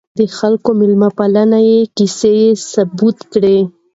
د خلکو د میلمه پالنې کیسې یې ثبت کړې.